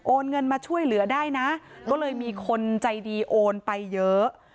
เงินมาช่วยเหลือได้นะก็เลยมีคนใจดีโอนไปเยอะ